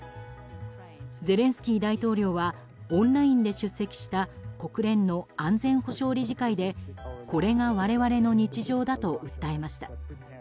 ゼレンスキー大統領はオンラインで出席した国連の安全保障理事会でこれが我々の日常だと訴えました。